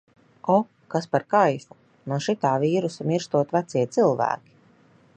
O, kas par kaifu! No šitā vīrusa mirstot vecie cilvēki.